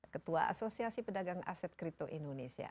ketua asosiasi pedagang aset kripto indonesia